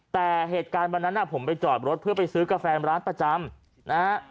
แต่เหตุการณ์วันนั้นผมไปจอดรถเพื่อไปซื้อกาแฟร้านประจำนะฮะ